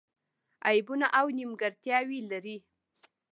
عیبونه او نیمګړتیاوې لري.